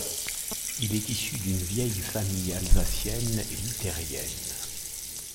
Il est issu d'une vieille famille alsacienne et luthérienne.